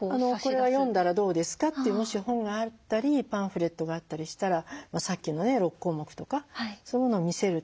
「これを読んだらどうですか？」ってもし本があったりパンフレットがあったりしたらさっきの６項目とかそういうものを見せるとか。